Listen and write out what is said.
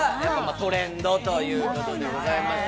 トレンドということでございました。